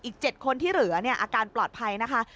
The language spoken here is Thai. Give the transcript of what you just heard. อีก๗คนที่เหลืออาการปลอดภัยนะคะ